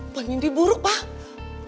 pak mimpi buruk pak